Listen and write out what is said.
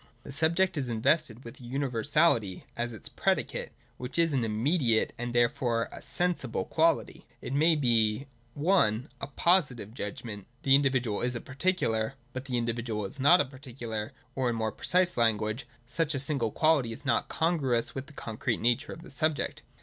The subject is invested with a univer sality as its predicate, which is an immediate, and therefore a sensible quality. It maybe (i) a Positive judgment : The individual is a particular. But the individual is not a particular : or in more precise language, such a single quality is not congruous with the concrete nature of the subject.